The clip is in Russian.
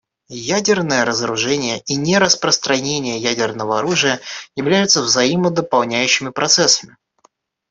Ядерное разоружение и нераспространение ядерного оружия являются взаимодополняющими процессами.